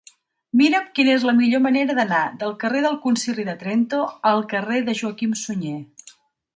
Mira'm quina és la millor manera d'anar del carrer del Concili de Trento al carrer de Joaquim Sunyer.